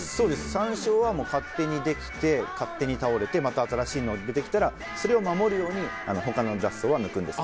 山椒は勝手にできて勝手に倒れてまた新しいのが出て来たらそれを守るように他の雑草は抜くんですけど。